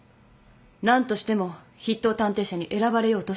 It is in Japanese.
何としても筆頭探偵社に選ばれようとしている。